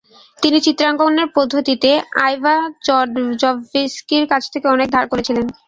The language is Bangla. তিনি চিত্রাঙ্কনের পদ্ধতিতে আইভাজভস্কির কাছ থেকে অনেক ধার করেছিলেন।